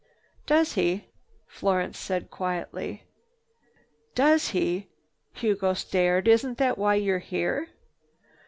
"Does he?" Florence said quietly. "Does he?" Hugo stared. "Isn't that why you're here?"